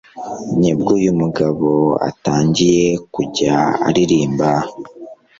Nibwo uyu mugabo atangiye kujya aririmba